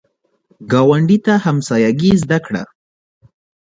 ګاونډي ته همسایګي زده کړه